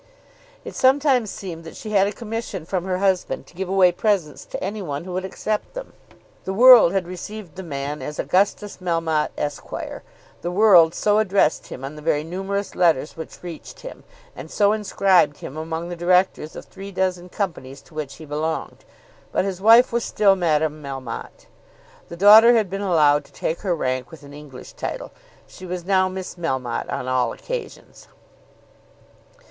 It sometimes seemed that she had a commission from her husband to give away presents to any who would accept them. The world had received the man as Augustus Melmotte, Esq. The world so addressed him on the very numerous letters which reached him, and so inscribed him among the directors of three dozen companies to which he belonged. But his wife was still Madame Melmotte. The daughter had been allowed to take her rank with an English title. She was now Miss Melmotte on all occasions.